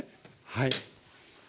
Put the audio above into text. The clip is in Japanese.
はい。